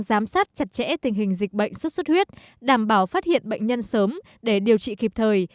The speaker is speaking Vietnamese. giám sát chặt chẽ tình hình dịch bệnh xuất xuất huyết đảm bảo phát hiện bệnh nhân sớm để điều trị kịp thời